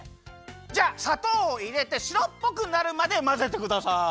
じゃあさとうをいれてしろっぽくなるまでまぜてください。